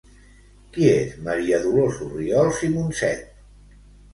Qui és Maria Dolors Orriols i Monset?